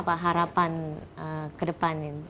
apa harapan ke depan